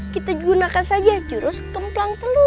kita gunakan saja jurus kemplang telur